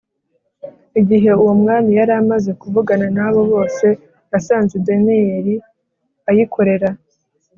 Igihe Uwo Mwami Yari Amaze Kuvugana Na Bo Bose Yasanze Daniyeli ayikorera